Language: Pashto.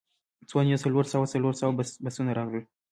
څو دانې څلور سوه څلور بسونه راغلل.